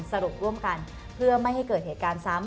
สรุปร่วมกันเพื่อไม่ให้เกิดเหตุการณ์ซ้ำ